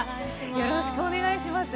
よろしくお願いします。